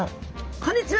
こんにちは。